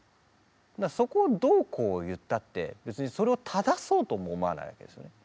そこをどうこう言ったって別にそれを正そうとも思わないわけですよね。